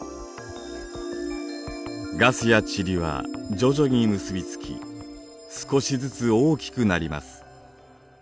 ガスや塵は徐々に結び付き少しずつ大きくなります。